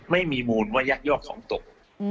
ไม่มีมูลว่ายักยอกของตก